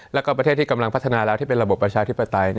แล้วก็ประเทศที่กำลังพัฒนาแล้วที่เป็นระบบประชาธิปไตย